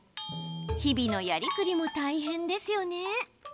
日々のやりくりも大変ですよね。